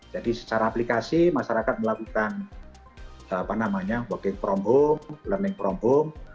jadi secara aplikasi masyarakat melakukan working from home learning from home